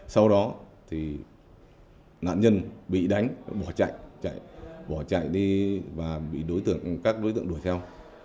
nạn nhân bị đánh bỏ chạy chạy bỏ chạy đi và bị đối tượng các đối tượng đuổi theo